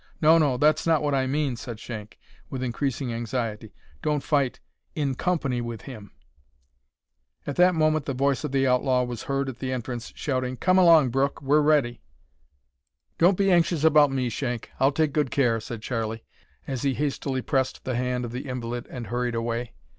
"No, no, that's not what I mean," said Shank, with increasing anxiety. "Don't fight in company with him." At that moment the voice of the outlaw was heard at the entrance shouting, "Come along, Brooke, we're all ready." "Don't be anxious about me, Shank; I'll take good care," said Charlie, as he hastily pressed the hand of the invalid and hurried away.